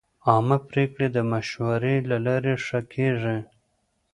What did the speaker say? عامه پریکړې د مشورې له لارې ښه کېږي.